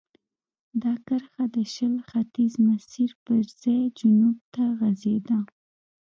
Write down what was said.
دا کرښه د شل ختیځ مسیر پر ځای جنوب ته غځېده.